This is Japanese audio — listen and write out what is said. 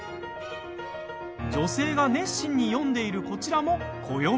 女性が熱心に読んでいるこちらも、暦。